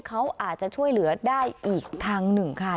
เขาอาจจะช่วยเหลือได้อีกทางหนึ่งค่ะ